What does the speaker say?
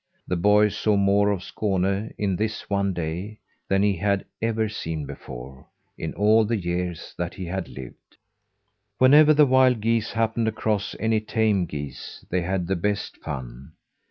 The boy saw more of Skåne in this one day than he had ever seen before in all the years that he had lived. Whenever the wild geese happened across any tame geese, they had the best fun!